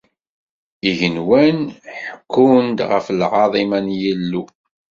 Igenwan ḥekwen-d ɣef lɛaḍima n Yillu.